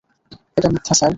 এটা মিথ্যা স্যার।